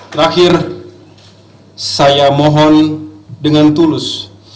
terakhir saya mohon dengan tulus